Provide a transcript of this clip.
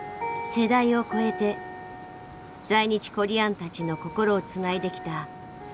世代を越えて在日コリアンたちの心をつないできたチェーサー。